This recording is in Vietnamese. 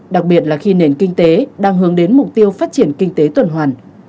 đặc biệt là khi nền kinh tế đang hướng đến mục tiêu phát triển kinh tế tuần hoàn